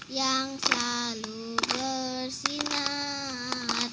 yang selalu bersinar